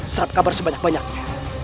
serap kabar sebanyak banyaknya